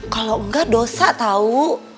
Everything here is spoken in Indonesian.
kalau enggak dosa tau